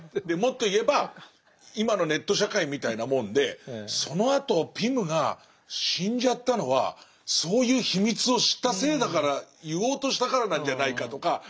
もっと言えば今のネット社会みたいなもんでそのあとピムが死んじゃったのはそういう秘密を知ったせいだから言おうとしたからなんじゃないかとか。